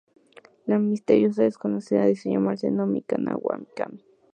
La misteriosa desconocida dice llamarse Tomie Kawakami.